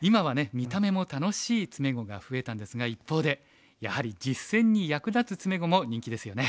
見た目も楽しい詰碁が増えたんですが一方でやはり実戦に役立つ詰碁も人気ですよね。